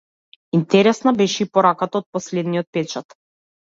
Интересна беше и пораката од последниот печат.